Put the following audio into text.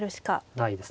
ないですね。